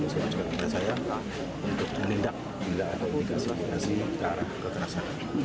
sekarang kita sayang untuk menindak bila ada tindakan kekerasan